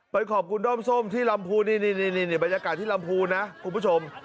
ขอบคุณด้อมส้มที่ลำพูนนี่บรรยากาศที่ลำพูนนะคุณผู้ชม